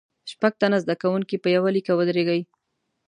شپږ تنه زده کوونکي په یوه لیکه ودریږئ.